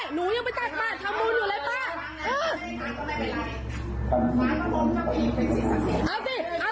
หนูยังไปจากบ้านทำมูลอยู่เลยป่ะ